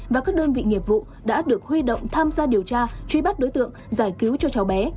và các đơn vị nghiệp vụ đã được huy động tham gia điều tra truy bắt đối tượng giải cứu cho cháu bé